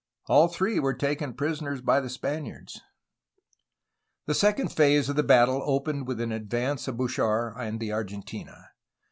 All three were taken prisoners by the Spaniards. The second phase of the battle opened with the advance of Bouchard and the Argentina.